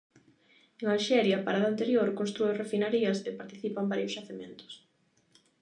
En Alxeria, parada anterior, constrúe refinarías e participa en varios xacementos.